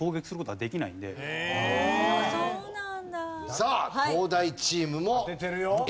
さあ東大チームもＡの。